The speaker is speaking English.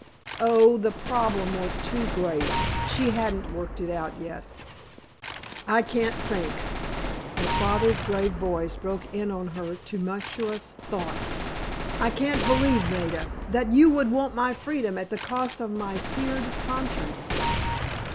Oh, the problem was too great—she hadn't worked it out yet. "I can't think," her father's grave voice broke in on her tumultuous thoughts. "I can't believe, Maida, that you would want my freedom at the cost of my seared conscience."